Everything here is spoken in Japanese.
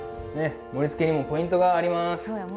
盛りつけにもポイントがあります。